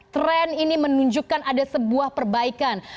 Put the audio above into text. tren ini menunjukkan ada sebuah perbaikan